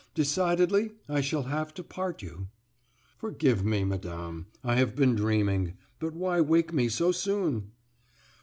"Decidedly, I shall have to part you." "Forgive me, madame; I have been dreaming. But why wake me so soon?"